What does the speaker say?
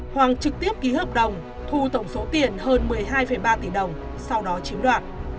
hoàng trực tiếp ký hợp đồng thu tổng số tiền hơn một mươi hai ba tỷ đồng sau đó chiếm đoạt